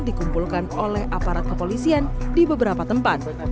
dikumpulkan oleh aparat kepolisian di beberapa tempat